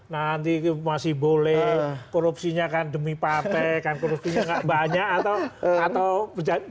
nanti masih boleh korupsinya kan demi pate kan korupsinya gak banyak atau berjalan